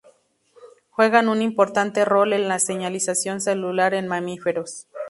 Juegan un importante rol en la señalización celular en mamíferos.